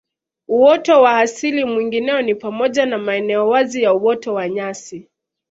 Uoto wa asili mwingineo ni pamoja na maeneo wazi ya uoto wa nyasi